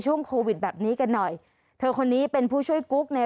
ช่วงโควิดแบบนี้กันหน่อยเธอคนนี้เป็นผู้ช่วยกุ๊กใน